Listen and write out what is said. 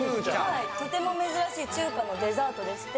とても珍しい中華のデザートでして